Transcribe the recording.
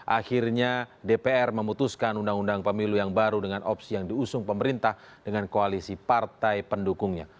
akhirnya dpr memutuskan undang undang pemilu yang baru dengan opsi yang diusung pemerintah dengan koalisi partai pendukungnya